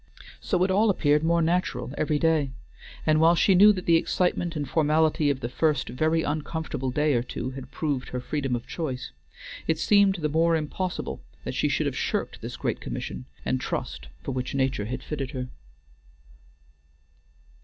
So it all appeared more natural every day, and while she knew that the excitement and formality of the first very uncomfortable day or two had proved her freedom of choice, it seemed the more impossible that she should have shirked this great commission and trust for which nature had fitted her.